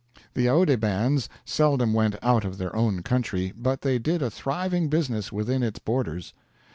The Oude bands seldom went out of their own country, but they did a thriving business within its borders.